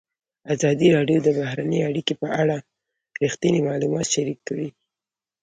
ازادي راډیو د بهرنۍ اړیکې په اړه رښتیني معلومات شریک کړي.